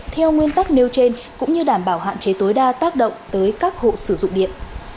theo nguyên tắc nêu trên cũng như đảm bảo hạn chế tối đa tác động tới các hộ sử dụng điện